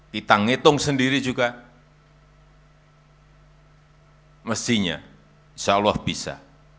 kita ngitung sendiri juga mestinya insyaallah bisa